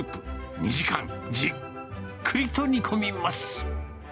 ２時間じっくりと煮込みます。